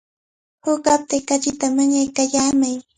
Huk aptay kachita mañaykallamay.